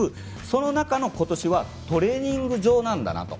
その中の今年はトレーニング場なんだなと。